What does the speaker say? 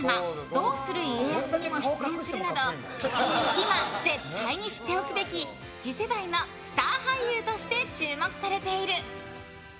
「どうする家康」にも出演するなど今絶対に知っておくべき次世代のスター俳優として注目されている。